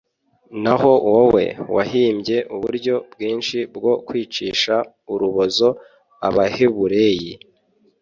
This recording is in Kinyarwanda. naho wowe wahimbye uburyo bwinshi bwo kwicisha urubozo abahebureyi